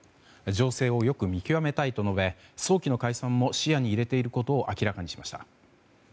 情勢をよく見極めたいと述べ早期の解散も視野に入れていることを明らかにしました。